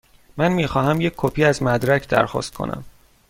من می خواهم یک کپی از مدرک درخواست کنم.